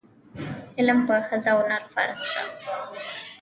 علم په ښځه او نر فرض ده.